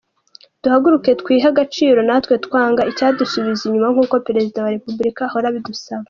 Duhaguruke twihe agaciro natwe twanga icyadusubiza inyuma nk’uko perezida wa Repubulika ahora abidusaba ».